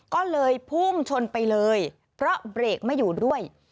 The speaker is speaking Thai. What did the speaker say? ก็เลยพุ่งชนไปเลยเพราะเบรกไม่อยู่ด้วย